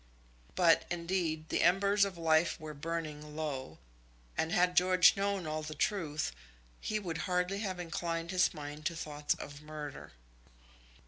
But, indeed, the embers of life were burning low; and had George known all the truth, he would hardly have inclined his mind to thoughts of murder.